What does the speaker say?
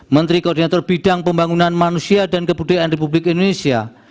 menteri koordinator bidang pembangunan manusia dan kebudayaan republik indonesia